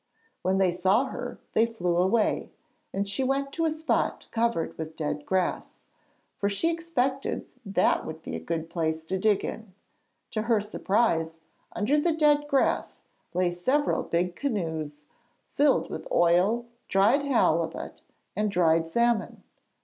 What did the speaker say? When they saw her they flew away, and she went to a spot covered with dead grass, for she expected that would be a good place to dig in. To her surprise, under the dead grass lay several big canoes filled with oil, dried halibut and dried salmon.